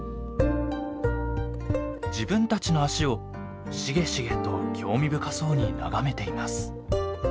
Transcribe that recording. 自分たちの足をしげしげと興味深そうに眺めています。